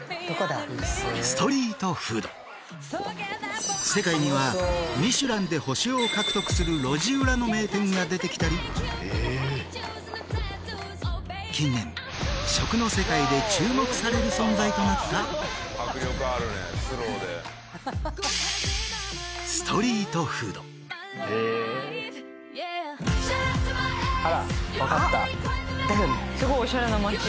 ストリートフード世界にはミシュランで星を獲得する路地裏の名店が出てきたり近年食の世界で注目される存在となったあらわかったすごいオシャレな街